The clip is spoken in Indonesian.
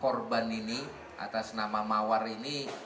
korban ini atas nama mawar ini